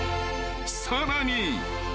［さらに］